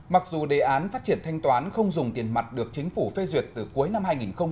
mặc dù đề án phát triển thanh toán không dùng tiền mặt được chính phủ phê duyệt từ cuối năm hai nghìn một mươi chín